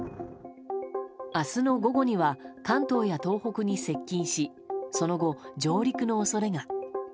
明日の午後には関東や東北に接近しその後、上陸の恐れが。